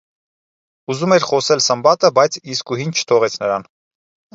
- ուզում էր խոսել Սմբատը, բայց Իսկուհին չթողեց նրան: